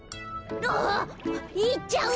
あいっちゃう。